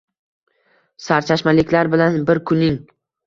Sarchashmaliklar bilan bir kunng